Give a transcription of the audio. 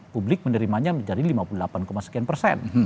publik menerimanya menjadi lima puluh delapan sekian persen